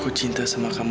aku cinta sama kamu bureau